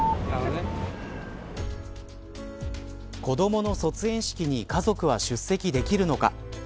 子どもの卒園式に家族は出席できるのか。